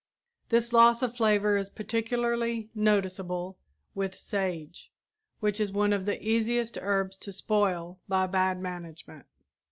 This loss of flavor is particularly noticeable with sage, which is one of the easiest herbs to spoil by bad management.